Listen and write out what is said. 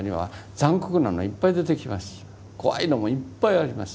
怖いのもいっぱいあります。